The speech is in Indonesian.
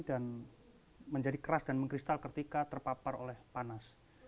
dan menjadi keras dan mengkristal ketika terpapar oleh panas